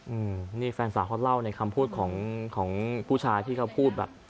อืมนี่แฟนสาวเขาเล่าในคำพูดของของผู้ชายที่เขาพูดแบบ